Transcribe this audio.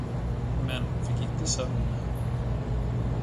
Men hon fick inte sömn.